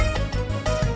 ya ada tiga orang